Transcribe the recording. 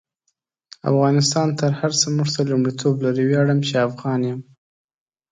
افغانستان تر هر سه مونږ ته لمړیتوب لري: ویاړم چی افغان يم